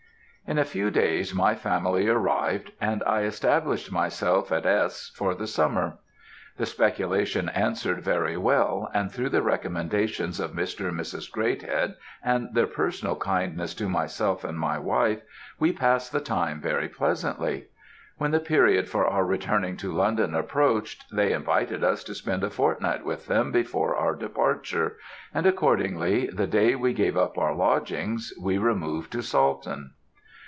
"In a few days, my family arrived, and I established myself at S., for the summer. The speculation answered very well, and through the recommendations of Mr. and Mrs. Greathead, and their personal kindness to myself and my wife, we passed the time very pleasantly. When the period for our returning to London approached, they invited us to spend a fortnight with them before our departure, and, accordingly, the day we gave up our lodgings, we removed to Salton.